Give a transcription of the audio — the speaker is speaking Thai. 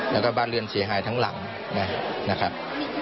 แล้วก็บ้านเรือนเสียหายทั้งหลังนะครับ